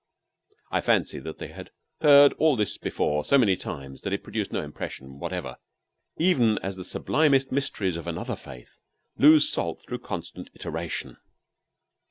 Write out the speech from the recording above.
I fancy that they had heard all this before so many times it produced no impression whatever, even as the sublimest mysteries of another faith lose salt through constant iteration.